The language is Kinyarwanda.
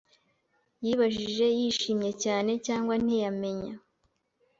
yibajije yishimye cyane cyangwa ntiyamenya